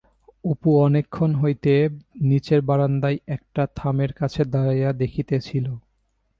অপু অনেকক্ষণ হইতে নিচের বারান্দায় একটা থামের কাছে দাঁড়াইয়া দেখিতেছিল।